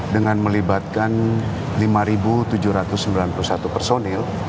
dengan melibatkan lima tujuh ratus sembilan puluh satu personil